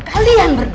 gak m stabbed